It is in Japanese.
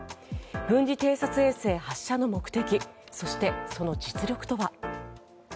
軍事偵察衛星発射の目的そして、その実力とは。